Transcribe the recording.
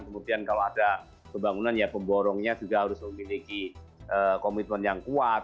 kemudian kalau ada pembangunan ya pemborongnya juga harus memiliki komitmen yang kuat